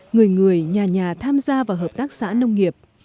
người người nhà nhà tham gia vào hợp tác xã nông nghiệp